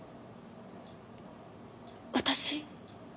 私？